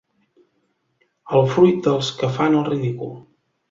El fruit dels que fan el ridícul.